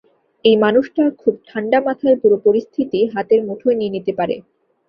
এই মানুষটা খুব ঠাণ্ডা মাথায় পুরো পরিস্থিতি হাতের মুঠোয় নিয়ে নিতে পারে।